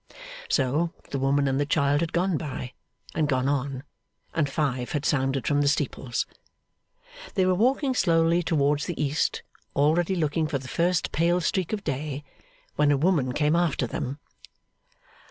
So, the woman and the child had gone by, and gone on, and five had sounded from the steeples. They were walking slowly towards the east, already looking for the first pale streak of day, when a woman came after them.